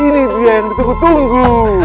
ini dia yang ditunggu tunggu